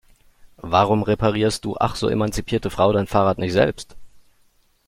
Warum reparierst du ach so emanzipierte Frau dein Fahrrad nicht selbst?